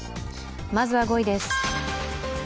まずは５位です。